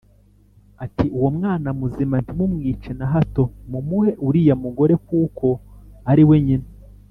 ati “Uwo mwana muzima ntimumwice na hato, mumuhe uriya mugore kuko ari we nyina”